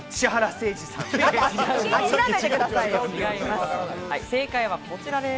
違います。